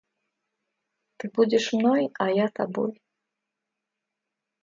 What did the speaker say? Ты будешь мной, а я тобой.